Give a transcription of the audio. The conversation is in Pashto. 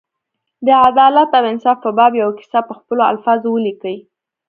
د عدالت او انصاف په باب یوه کیسه په خپلو الفاظو ولیکي.